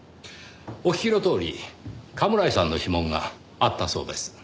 お聞きのとおり甘村井さんの指紋があったそうです。